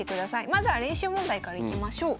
まずは練習問題からいきましょう。